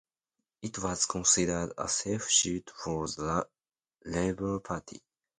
It was considered a safe seat for the Labour Party.